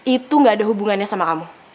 itu gak ada hubungannya sama kamu